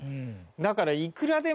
だからいくらでも。